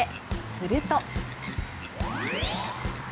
すると。